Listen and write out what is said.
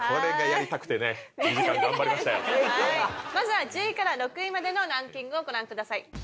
まずは１０位から６位までのランキングをご覧ください。